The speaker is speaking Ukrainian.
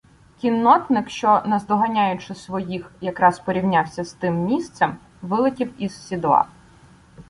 Кіннотник, що, наздоганяючи своїх, якраз порівнявся з тим місцем, вилетів із сідла.